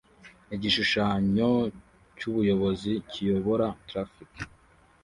Igishushanyo cyubuyobozi kiyobora traffic